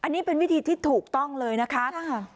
อันนี้เป็นวิธีที่ถูกต้องเลยนะคะ